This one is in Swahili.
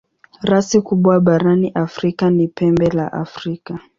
Rasi kubwa barani Afrika ni Pembe la Afrika.